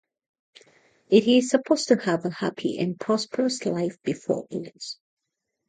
It is supposed to have a happy and prosperous life before it.